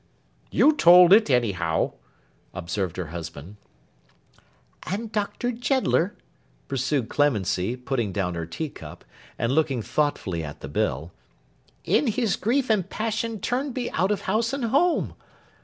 'You told it, anyhow,' observed her husband. 'And Dr. Jeddler,' pursued Clemency, putting down her tea cup, and looking thoughtfully at the bill, 'in his grief and passion turned me out of house and home!